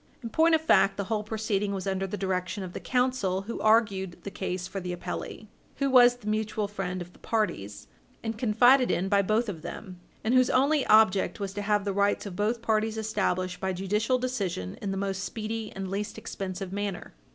In point of fact, the whole proceeding was under the direction of the counsel who argued the case for the appellee, who was the mutual friend of the parties and confided in by both of them, and whose only Page 60 U. S. 424 object was to have the rights of both parties established by judicial decision in the most speedy and least expensive manner.